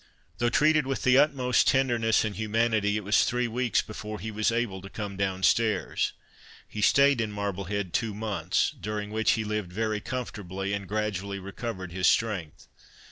Though treated with the utmost tenderness and humanity, it was three weeks before he was able to come down stairs. He stayed in Marblehead two months, during which he lived very comfortably, and gradually recovered his strength.